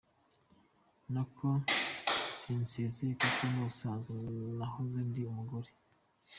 Nako sinsezeye kuko n’ubusanzwe nahoze ndi umugore.